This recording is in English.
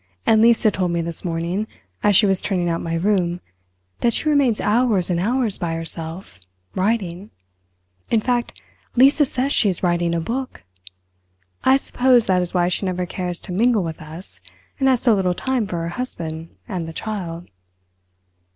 And Lisa told me this morning, as she was turning out my room, that she remains hours and hours by herself, writing; in fact Lisa says she is writing a book! I suppose that is why she never cares to mingle with us, and has so little time for her husband and the child."